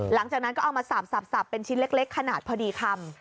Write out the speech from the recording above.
หลังจากนั้นก็เอามาสาบเป็นชิ้นเล็กขนาดพอดีคำ